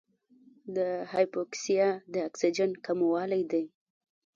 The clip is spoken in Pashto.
د هایپوکسیا د اکسیجن کموالی دی.